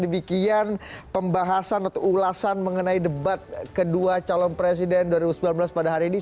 demikian pembahasan atau ulasan mengenai debat kedua calon presiden dua ribu sembilan belas pada hari ini